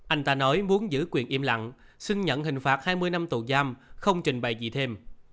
anh ta nói muốn giữ quyền im lặng xin nhận hình phạt hai mươi năm tù giam không trình bày gì thêm